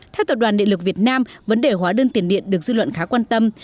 theo tập đoàn điện lực việt nam vấn đề hóa đơn tiền điện được dư luận khá quan tâm